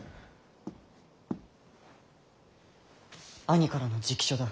兄からの直書だ。